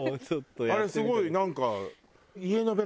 あれすごいなんか。